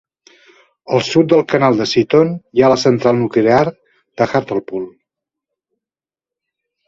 Al sud del canal de Seaton hi ha la central nuclear de Hartlepool.